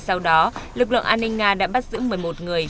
sau đó lực lượng an ninh nga đã bắt giữ một mươi một người